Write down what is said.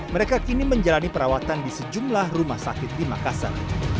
mereka kini menjalani perawatan di sejumlah rumah sakit di makassar